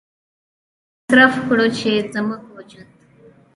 ډېر مصرف کړو چې زموږ وجود